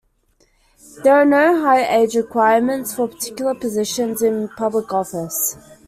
There are no higher age requirements for particular positions in public office.